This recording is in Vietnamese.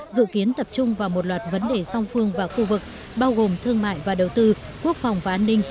dự kiến tập trung vào một loạt vấn đề song phương và khu vực bao gồm thương mại và đầu tư quốc phòng và an ninh